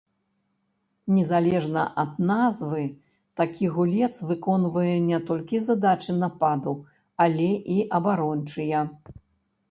Незалежна ад назвы такі гулец выконвае не толькі задачы нападу, але і абарончыя.